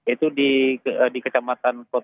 itu di kecamatan